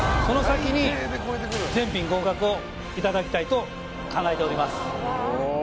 その先に全品合格をいただきたいと考えております